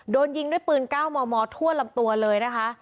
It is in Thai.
โดนยิงด้วยปืน๙มมทั่วลำตัวเลยนะคะ